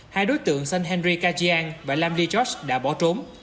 hai đối tượng st henry kajian và lam lee george đã bỏ trốn